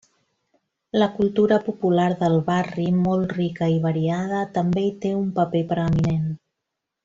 La cultura popular del barri, molt rica i variada, també hi té un paper preeminent.